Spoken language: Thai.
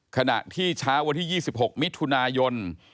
ขณะที่เช้าวันที่๒๖มิถุนายน